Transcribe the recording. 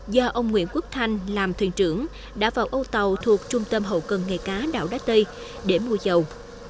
do ông nguyễn quốc thanh làm thuyền trưởng đã vào âu tàu thuộc trung tâm hậu cần nghề cá đảo đá tây để mua dầu